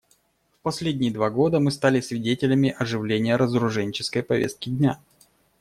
В последние два года мы стали свидетелями оживления разоруженческой повестки дня.